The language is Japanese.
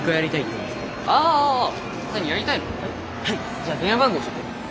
じゃあ電話番号教えてよ。